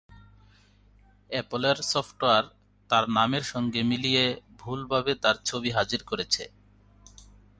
অ্যাপলের software তার নামের সঙ্গে মিলিয়ে ভুলভাবে তার ছবি হাজির করেছে।